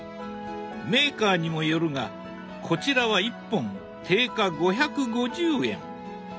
メーカーにもよるがこちらは１本定価５５０円。